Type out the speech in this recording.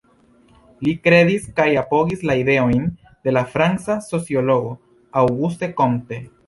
Li kredis kaj apogis la ideojn de la franca sociologo, Auguste Comte.